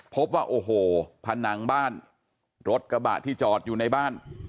พบว่าโอ้โหผนังบ้านรถกระบะที่จอดอยู่ในบ้าน